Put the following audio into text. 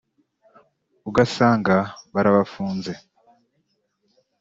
ugasanga barabafunze